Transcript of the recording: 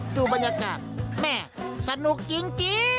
ดูบรรยากาศแม่สนุกจริง